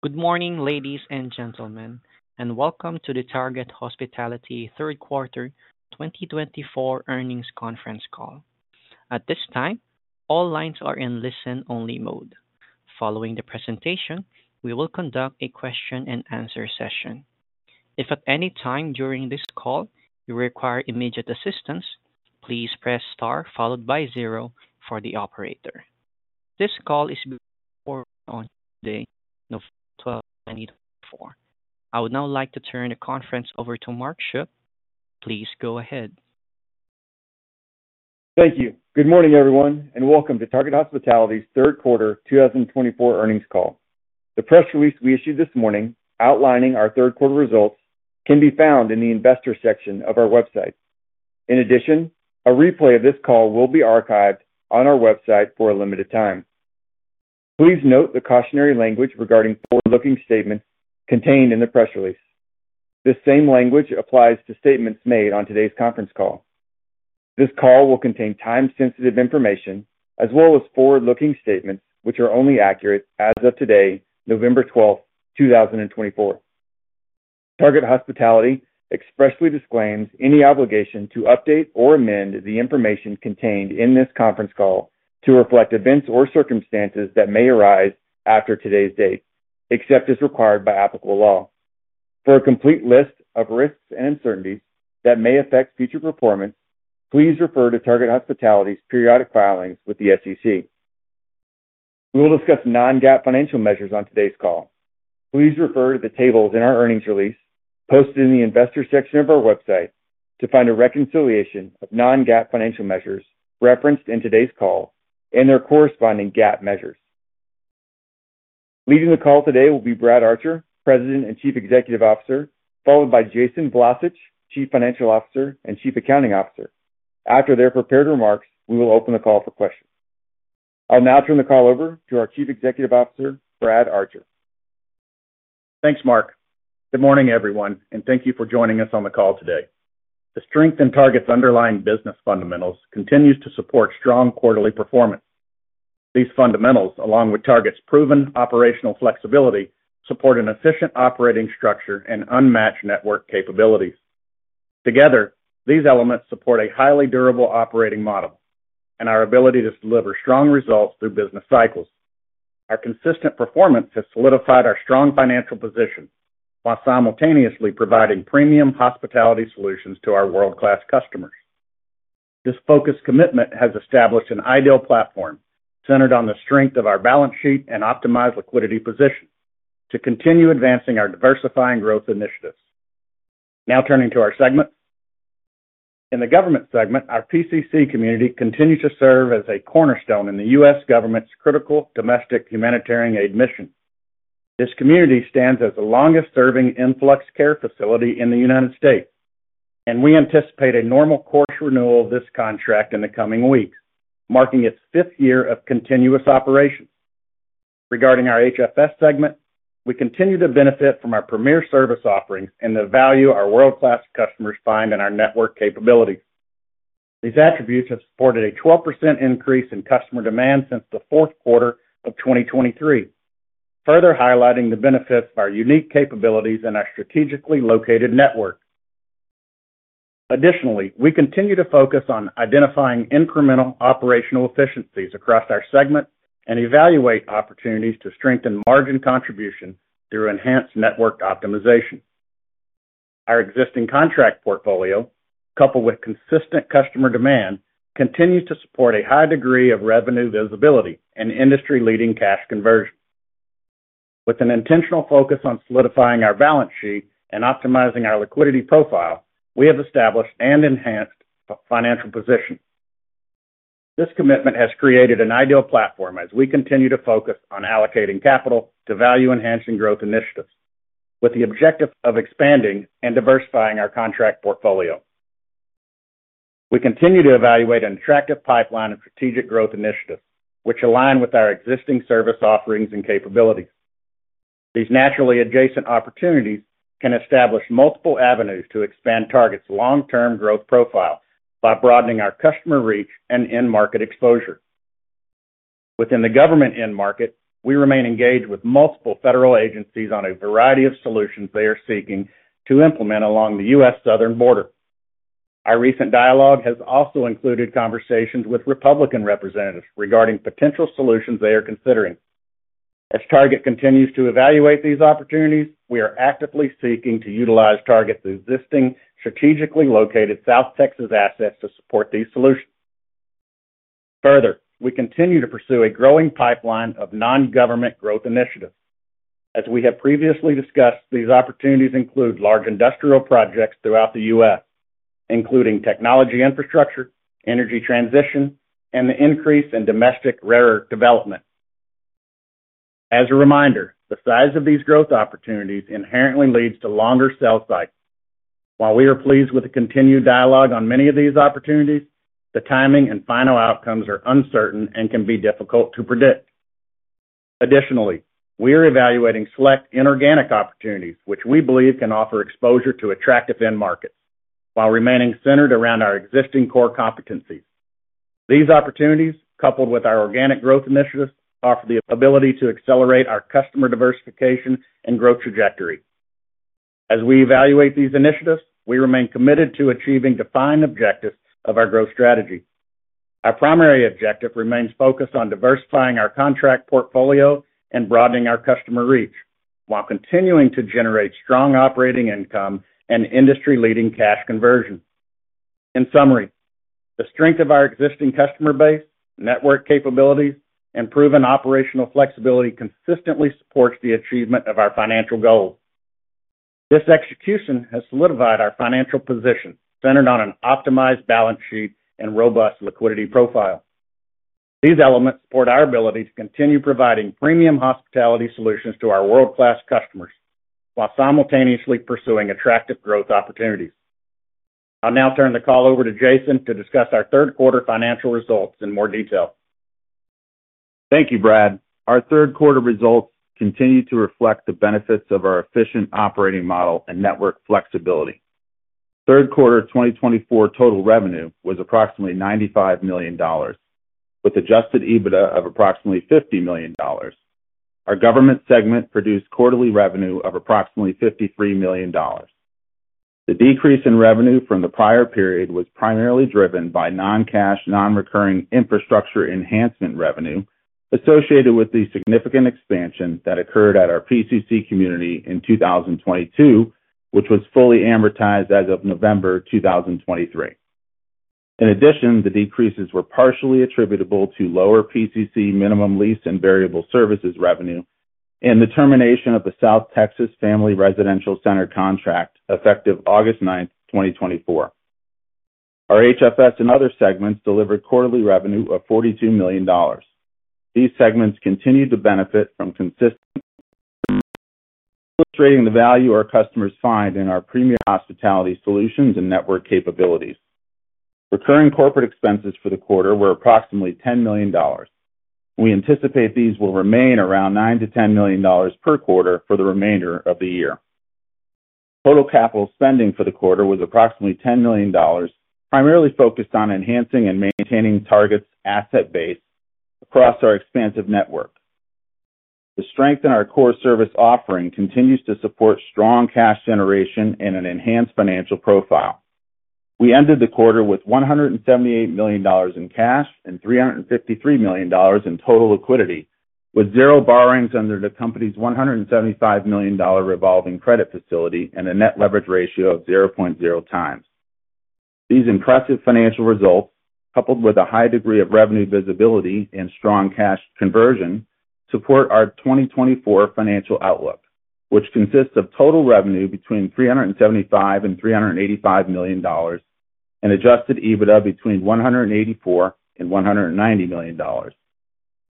Good morning, ladies and gentlemen, and welcome to the Target Hospitality Q3 2024 earnings conference call. At this time, all lines are in listen-only mode. Following the presentation, we will conduct a question-and-answer session. If at any time during this call you require immediate assistance, please press star followed by zero for the operator. This call is being recorded on Tuesday, November 12, 2024. I would now like to turn the conference over to Mark Schuck. Please go ahead. Thank you. Good morning, everyone, and welcome to Target Hospitality's Q3 2024 earnings call. The press release we issued this morning outlining our Q3 results can be found in the Investor section of our website. In addition, a replay of this call will be archived on our website for a limited time. Please note the cautionary language regarding forward-looking statements contained in the press release. This same language applies to statements made on today's conference call. This call will contain time-sensitive information as well as forward-looking statements which are only accurate as of today, November 12, 2024. Target Hospitality expressly disclaims any obligation to update or amend the information contained in this conference call to reflect events or circumstances that may arise after today's date, except as required by applicable law. For a complete list of risks and uncertainties that may affect future performance, please refer to Target Hospitality's periodic filings with the SEC. We will discuss non-GAAP financial measures on today's call. Please refer to the tables in our earnings release posted in the Investor section of our website to find a reconciliation of non-GAAP financial measures referenced in today's call and their corresponding GAAP measures. Leading the call today will be Brad Archer, President and Chief Executive Officer, followed by Jason Vlacich, Chief Financial Officer and Chief Accounting Officer. After their prepared remarks, we will open the call for questions. I'll now turn the call over to our Chief Executive Officer, Brad Archer. Thanks, Mark. Good morning, everyone, and thank you for joining us on the call today. The strength in Target's underlying business fundamentals continues to support strong quarterly performance. These fundamentals, along with Target's proven operational flexibility, support an efficient operating structure and unmatched network capabilities. Together, these elements support a highly durable operating model and our ability to deliver strong results through business cycles. Our consistent performance has solidified our strong financial position while simultaneously providing premium hospitality solutions to our world-class customers. This focused commitment has established an ideal platform centered on the strength of our balance sheet and optimized liquidity position to continue advancing our diversifying growth initiatives. Now turning to our segment. In the government segment, our PCC community continues to serve as a cornerstone in the U.S. government's critical domestic humanitarian aid mission. This community stands as the longest-serving influx care facility in the United States, and we anticipate a normal course renewal of this contract in the coming weeks, marking its fifth year of continuous operations. Regarding our HFS segment, we continue to benefit from our premier service offerings and the value our world-class customers find in our network capabilities. These attributes have supported a 12% increase in customer demand since the Q4 of 2023, further highlighting the benefits of our unique capabilities and our strategically located network. Additionally, we continue to focus on identifying incremental operational efficiencies across our segment and evaluate opportunities to strengthen margin contribution through enhanced network optimization. Our existing contract portfolio, coupled with consistent customer demand, continues to support a high degree of revenue visibility and industry-leading cash conversion. With an intentional focus on solidifying our balance sheet and optimizing our liquidity profile, we have established and enhanced our financial position. This commitment has created an ideal platform as we continue to focus on allocating capital to value-enhancing growth initiatives with the objective of expanding and diversifying our contract portfolio. We continue to evaluate an attractive pipeline of strategic growth initiatives which align with our existing service offerings and capabilities. These naturally adjacent opportunities can establish multiple avenues to expand Target's long-term growth profile by broadening our customer reach and in-market exposure. Within the government in-market, we remain engaged with multiple federal agencies on a variety of solutions they are seeking to implement along the U.S. southern border. Our recent dialogue has also included conversations with Republican representatives regarding potential solutions they are considering. As Target continues to evaluate these opportunities, we are actively seeking to utilize Target's existing strategically located South Texas assets to support these solutions. Further, we continue to pursue a growing pipeline of non-government growth initiatives. As we have previously discussed, these opportunities include large industrial projects throughout the U.S., including technology infrastructure, energy transition, and the increase in domestic rare earth development. As a reminder, the size of these growth opportunities inherently leads to longer sales cycles. While we are pleased with the continued dialogue on many of these opportunities, the timing and final outcomes are uncertain and can be difficult to predict. Additionally, we are evaluating select inorganic opportunities which we believe can offer exposure to attractive end-markets while remaining centered around our existing core competencies. These opportunities, coupled with our organic growth initiatives, offer the ability to accelerate our customer diversification and growth trajectory. As we evaluate these initiatives, we remain committed to achieving defined objectives of our growth strategy. Our primary objective remains focused on diversifying our contract portfolio and broadening our customer reach while continuing to generate strong operating income and industry-leading cash conversion. In summary, the strength of our existing customer base, network capabilities, and proven operational flexibility consistently supports the achievement of our financial goals. This execution has solidified our financial position centered on an optimized balance sheet and robust liquidity profile. These elements support our ability to continue providing premium hospitality solutions to our world-class customers while simultaneously pursuing attractive growth opportunities. I'll now turn the call over to Jason to discuss our Q3 financial results in more detail. Thank you, Brad. Our Q3 results continue to reflect the benefits of our efficient operating model and network flexibility. Q3 2024 total revenue was approximately $95 million, with adjusted EBITDA of approximately $50 million. Our government segment produced quarterly revenue of approximately $53 million. The decrease in revenue from the prior period was primarily driven by non-cash, non-recurring infrastructure enhancement revenue associated with the significant expansion that occurred at our PCC community in 2022, which was fully amortized as of November 2023. In addition, the decreases were partially attributable to lower PCC minimum lease and variable services revenue and the termination of the South Texas Family Residential Center contract effective August 9, 2024. Our HFS and other segments delivered quarterly revenue of $42 million. These segments continue to benefit from consistent revenue, illustrating the value our customers find in our premier hospitality solutions and network capabilities. Recurring corporate expenses for the quarter were approximately $10 million. We anticipate these will remain around $9-$10 million per quarter for the remainder of the year. Total capital spending for the quarter was approximately $10 million, primarily focused on enhancing and maintaining Target's asset base across our expansive network. The strength in our core service offering continues to support strong cash generation and an enhanced financial profile. We ended the quarter with $178 million in cash and $353 million in total liquidity, with zero borrowings under the company's $175 million Revolving Credit Facility and a net leverage ratio of 0.0 times. These impressive financial results, coupled with a high degree of revenue visibility and strong cash conversion, support our 2024 financial outlook, which consists of total revenue between $375 and $385 million and Adjusted EBITDA between $184 and $190 million.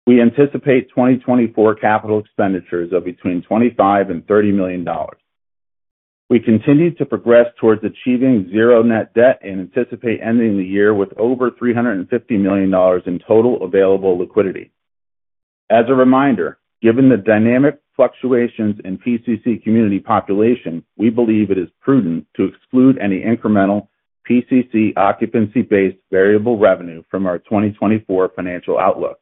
We anticipate 2024 capital expenditures of between $25-$30 million. We continue to progress towards achieving zero net debt and anticipate ending the year with over $350 million in total available liquidity. As a reminder, given the dynamic fluctuations in PCC community population, we believe it is prudent to exclude any incremental PCC occupancy-based variable revenue from our 2024 financial outlook.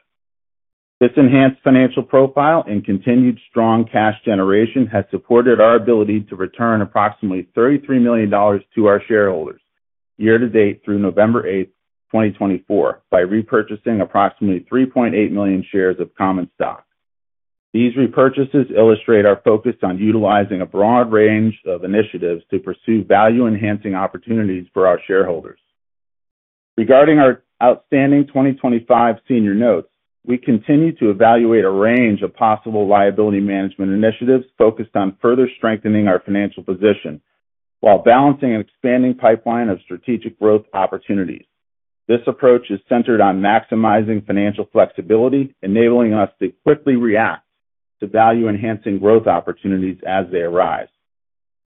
This enhanced financial profile and continued strong cash generation has supported our ability to return approximately $33 million to our shareholders year-to-date through November 8, 2024, by repurchasing approximately 3.8 million shares of common stock. These repurchases illustrate our focus on utilizing a broad range of initiatives to pursue value-enhancing opportunities for our shareholders. Regarding our outstanding 2025 senior notes, we continue to evaluate a range of possible liability management initiatives focused on further strengthening our financial position while balancing an expanding pipeline of strategic growth opportunities. This approach is centered on maximizing financial flexibility, enabling us to quickly react to value-enhancing growth opportunities as they arise.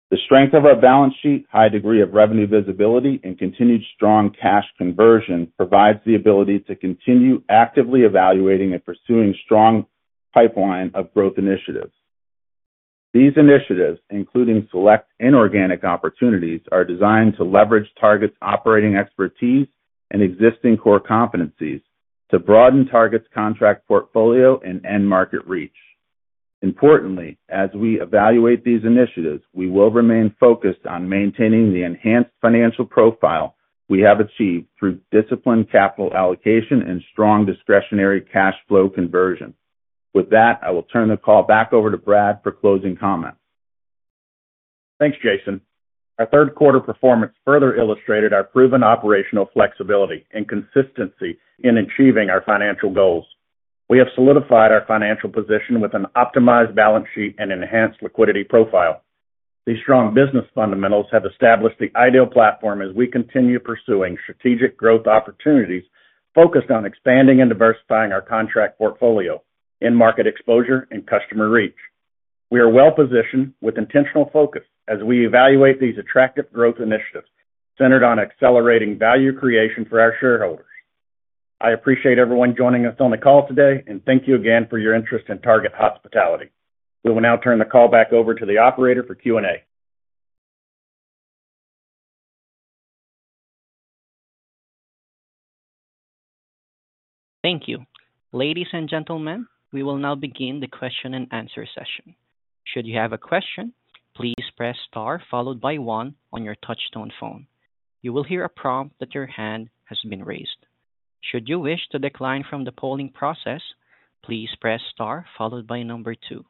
The strength of our balance sheet, high degree of revenue visibility, and continued strong cash conversion provides the ability to continue actively evaluating and pursuing strong pipeline of growth initiatives. These initiatives, including select inorganic opportunities, are designed to leverage Target's operating expertise and existing core competencies to broaden Target's contract portfolio and in-market reach. Importantly, as we evaluate these initiatives, we will remain focused on maintaining the enhanced financial profile we have achieved through disciplined capital allocation and strong discretionary cash flow conversion. With that, I will turn the call back over to Brad for closing comments. Thanks, Jason. Our Q3 performance further illustrated our proven operational flexibility and consistency in achieving our financial goals. We have solidified our financial position with an optimized balance sheet and enhanced liquidity profile. These strong business fundamentals have established the ideal platform as we continue pursuing strategic growth opportunities focused on expanding and diversifying our contract portfolio, in-market exposure, and customer reach. We are well-positioned with intentional focus as we evaluate these attractive growth initiatives centered on accelerating value creation for our shareholders. I appreciate everyone joining us on the call today, and thank you again for your interest in Target Hospitality. We will now turn the call back over to the operator for Q&A. Thank you. Ladies and gentlemen, we will now begin the question-and-answer session. Should you have a question, please press star followed by one on your touch-tone phone. You will hear a prompt that your hand has been raised. Should you wish to decline from the polling process, please press star followed by number two.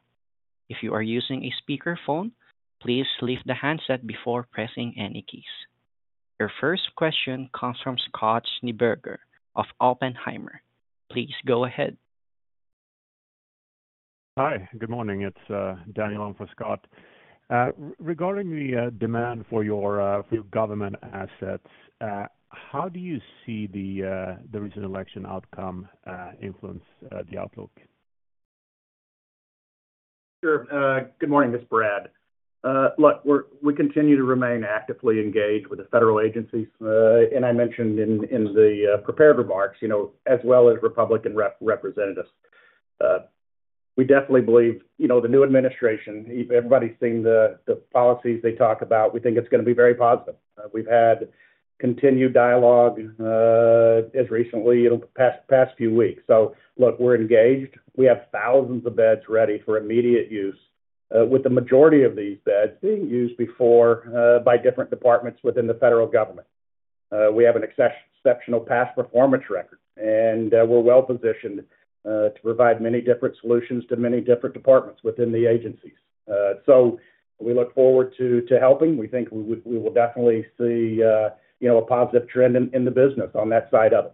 If you are using a speakerphone, please lift the handset before pressing any keys. Your first question comes from Scott Schneeberger of Oppenheimer. Please go ahead. Hi, good morning. It's Daniel from Scott. Regarding the demand for your government assets, how do you see the recent election outcome influence the outlook? Sure. Good morning. This is Brad. Look, we continue to remain actively engaged with the federal agencies, and I mentioned in the prepared remarks, as well as Republican representatives. We definitely believe the new administration. Everybody's seen the policies they talk about. We think it's going to be very positive. We've had continued dialogue as recently in the past few weeks. So look, we're engaged. We have thousands of beds ready for immediate use, with the majority of these beds being used before by different departments within the federal government. We have an exceptional past performance record, and we're well-positioned to provide many different solutions to many different departments within the agencies. So we look forward to helping. We think we will definitely see a positive trend in the business on that side of it.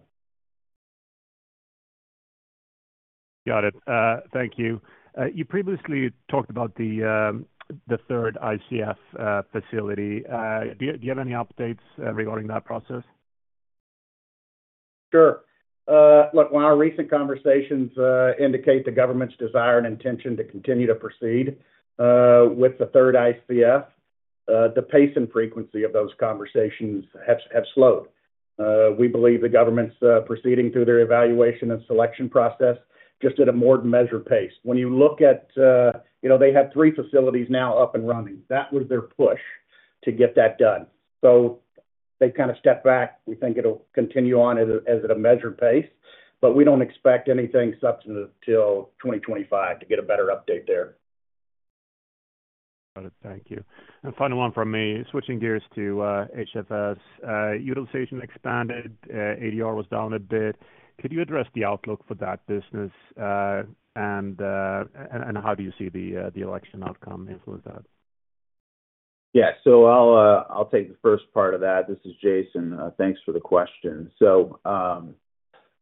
Got it. Thank you. You previously talked about the Q3 ICF facility. Do you have any updates regarding that process? Sure. Look, while our recent conversations indicate the government's desire and intention to continue to proceed with the Q3 ICF, the pace and frequency of those conversations have slowed. We believe the government's proceeding through their evaluation and selection process just at a more measured pace. When you look at they have three facilities now up and running. That was their push to get that done. So they've kind of stepped back. We think it'll continue on as at a measured pace, but we don't expect anything substantive till 2025 to get a better update there. Got it. Thank you. And final one from me, switching gears to HFS. Utilization expanded, ADR was down a bit. Could you address the outlook for that business, and how do you see the election outcome influence that? Yeah. So I'll take the first part of that. This is Jason. Thanks for the question. So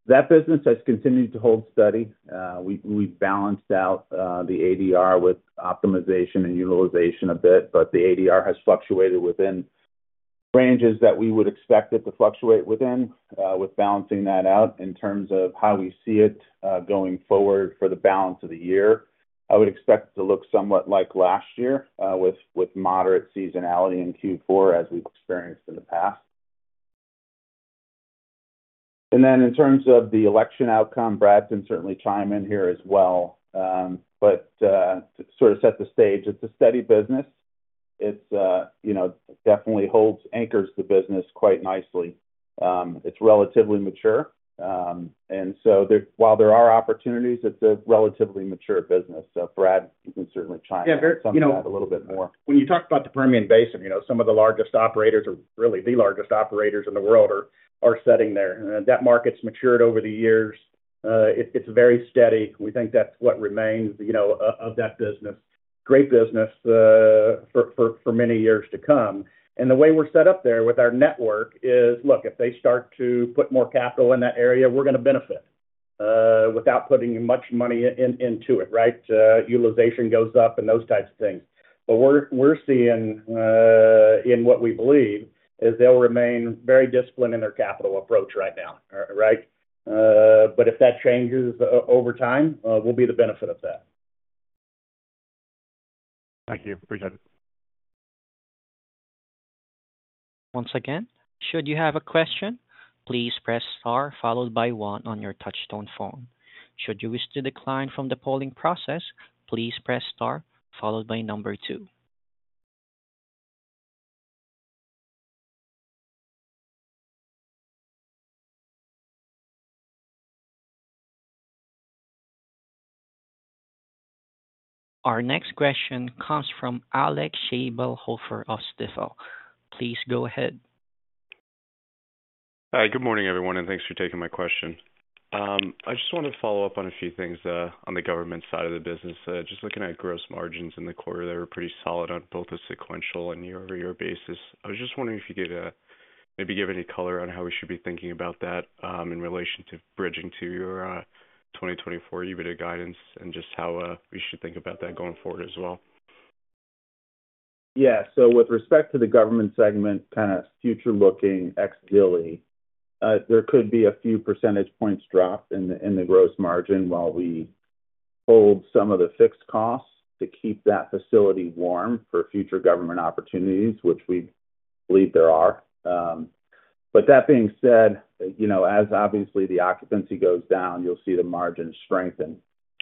that business has continued to hold steady. We've balanced out the ADR with optimization and utilization a bit, but the ADR has fluctuated within ranges that we would expect it to fluctuate within, with balancing that out in terms of how we see it going forward for the balance of the year. I would expect it to look somewhat like last year with moderate seasonality in Q4 as we've experienced in the past. And then in terms of the election outcome, Brad can certainly chime in here as well, but to sort of set the stage, it's a steady business. It definitely holds and anchors the business quite nicely. It's relatively mature. And so while there are opportunities, it's a relatively mature business. So Brad, you can certainly chime in on that a little bit more. Yeah. When you talk about the Permian Basin, some of the largest operators, or really the largest operators in the world, are sitting there. That market's matured over the years. It's very steady. We think that's what remains of that business. Great business for many years to come. And the way we're set up there with our network is, look, if they start to put more capital in that area, we're going to benefit without putting much money into it, right? Utilization goes up and those types of things. But we're seeing what we believe is they'll remain very disciplined in their capital approach right now, right? But if that changes over time, we'll be the beneficiary of that. Thank you. Appreciate it. Once again, should you have a question, please press star followed by one on your touch-tone phone. Should you wish to decline from the polling process, please press star followed by number two. Our next question comes from Alex Schnabel of Stifel. Please go ahead. Hi. Good morning, everyone, and thanks for taking my question. I just want to follow up on a few things on the government side of the business. Just looking at gross margins in the quarter, they were pretty solid on both a sequential and year-over-year basis. I was just wondering if you could maybe give any color on how we should be thinking about that in relation to bridging to your 2024 EBITDA guidance and just how we should think about that going forward as well. Yeah. So with respect to the government segment, kind of future-looking excellently, there could be a few percentage points drop in the gross margin while we hold some of the fixed costs to keep that facility warm for future government opportunities, which we believe there are. But that being said, as obviously the occupancy goes down, you'll see the margin strengthen.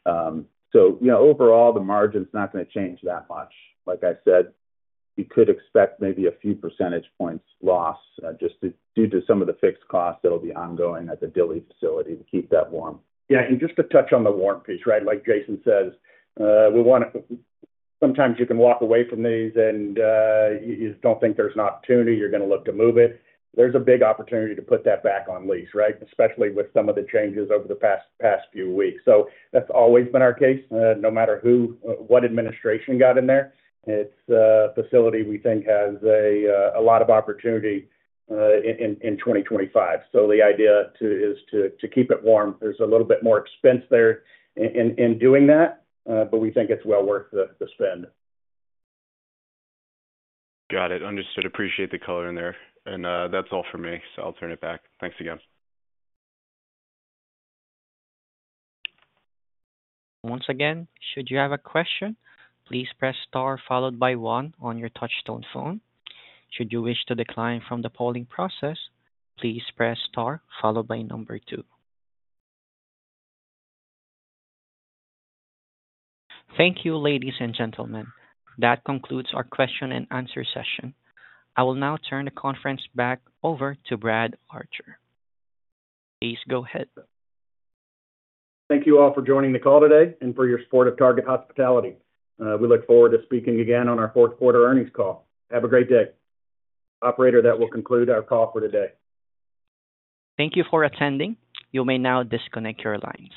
So overall, the margin's not going to change that much. Like I said, you could expect maybe a few percentage points loss just due to some of the fixed costs that'll be ongoing at the Dilley facility to keep that warm. Yeah. And just to touch on the warm piece, right? Like Jason says, sometimes you can walk away from these and you don't think there's an opportunity, you're going to look to move it. There's a big opportunity to put that back on lease, right? Especially with some of the changes over the past few weeks. So that's always been our case, no matter what administration got in there. It's a facility we think has a lot of opportunity in 2025. So the idea is to keep it warm. There's a little bit more expense there in doing that, but we think it's well worth the spend. Got it. Understood. Appreciate the color in there. And that's all for me, so I'll turn it back. Thanks again. Once again, should you have a question, please press star followed by one on your touch-tone phone. Should you wish to decline from the polling process, please press star followed by number two. Thank you, ladies and gentlemen. That concludes our question-and-answer session. I will now turn the conference back over to Brad Archer. Please go ahead. Thank you all for joining the call today and for your support of Target Hospitality. We look forward to speaking again on our Q4 earnings call. Have a great day. Operator, that will conclude our call for today. Thank you for attending. You may now disconnect your lines.